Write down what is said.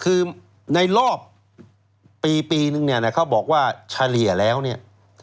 คือในรอบปีปีนึงเนี่ยนะเขาบอกว่าเฉลี่ยแล้วเนี่ย